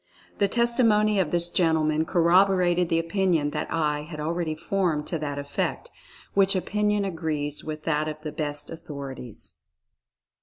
The testi mony of this gentleman corroborated the opinion that I had already formed to that effect, which opinion agrees with that of the best authorities.